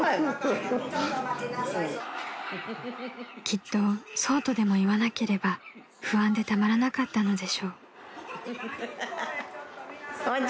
［きっとそうとでも言わなければ不安でたまらなかったのでしょう］